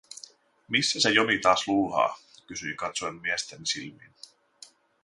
“Missäs se Joni taas luuhaa?”, kysyin katsoen miestäni silmiin.